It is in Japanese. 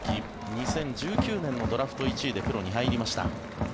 ２０１９年のドラフト１位でプロに入りました。